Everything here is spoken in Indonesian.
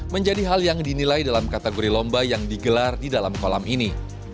menjadi hal yang dinilai dalam kategori lomba yang digelar di dalam kolam ini